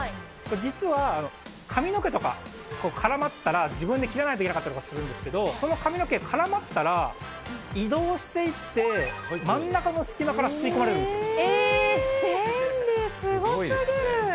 これ、実は髪の毛とか絡まったら、自分で切らないといけなかったりとかするんですけど、その髪の毛絡まったら、移動していって、真ん中の隙間から吸い込えー、便利、すごすぎる。